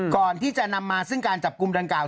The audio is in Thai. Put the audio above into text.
ก่อนที่จะนำมาซึ่งการจับกลุ่มดังกล่า